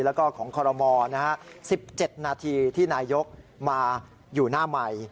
แล้วก็ของคอรมอล๑๗นาทีที่นายกมาอยู่หน้าใหม่